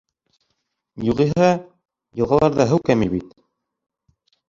Юғиһә, йылғаларҙа һыу кәмәй бит.